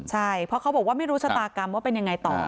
ใช่เพราะเขาบอกว่าไม่รู้ชะตากรรมว่าเป็นยังไงต่อ